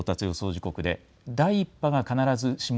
時刻で第１波が必ずしも